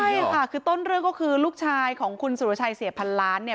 ใช่ค่ะคือต้นเรื่องก็คือลูกชายของคุณสุรชัยเสียพันล้านเนี่ย